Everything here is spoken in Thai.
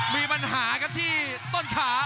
มีปัญหาครับที่ต้นขา